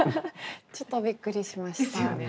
ちょっとびっくりしました。ですよね。